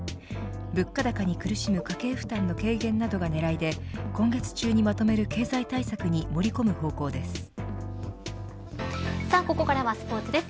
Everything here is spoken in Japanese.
物価高に苦しむ家計負担の軽減などが狙いで今月中にまとめる経済対策にここからはスポーツです。